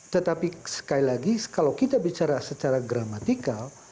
tetapi sekali lagi kalau kita bicara secara gramatikal